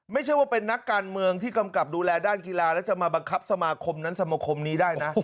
ไม่ใช่ว่าเป็นนักการเมืองที่กำกับดูแลด้านกีฬาแล้วจะมาบังคับสมาคมนั้นสมคมนี้ได้นะ